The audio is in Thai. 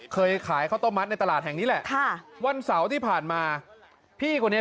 เคยขายข้าวต้มมัดในตลาดแห่งนี้แหละค่ะวันเสาร์ที่ผ่านมาพี่คนนี้